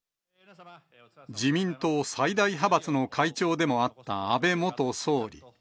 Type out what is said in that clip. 自民党最大派閥の会長でもあった安倍元総理。